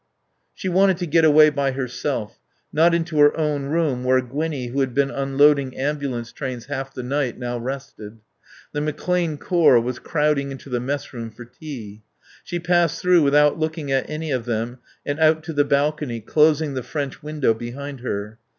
She wanted to get away by herself. Not into her own room, where Gwinnie, who had been unloading ambulance trains half the night, now rested. The McClane Corps was crowding into the messroom for tea. She passed through without looking at any of them and out to the balcony, closing the French window behind her.